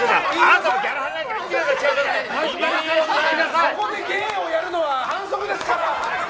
そこで芸をやるのは反則ですから！